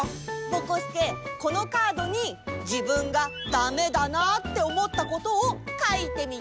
ぼこすけこのカードにじぶんがだめだなっておもったことをかいてみて。